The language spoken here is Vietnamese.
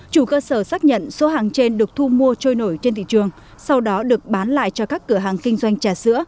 chủ cơ sở xác nhận số hàng trên được thu mua trôi nổi trên thị trường sau đó được bán lại cho các cửa hàng kinh doanh trà sữa